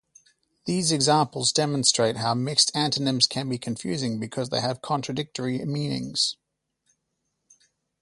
These examples demonstrate how mixed antonyms can be confusing because they have contradictory meanings.